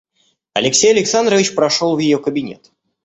Алексей Александрович прошел в ее кабинет.